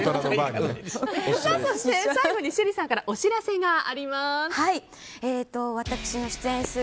そして最後に趣里さんからお知らせがあります。